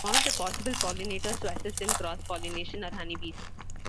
One of the possible pollinators to assist in cross-pollination are honeybees.